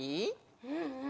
うんうん。